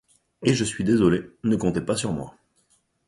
Et je suis désolé, ne comptez pas sur moi.